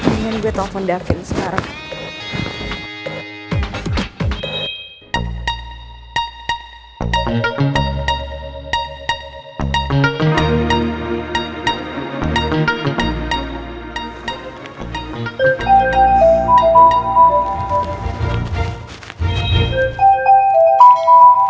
ini gue telfon davin sekarang